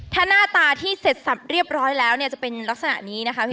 ถ้าหน้าตาที่เสร็จสับเรียบร้อยแล้วเนี่ยจะเป็นลักษณะนี้นะคะพี่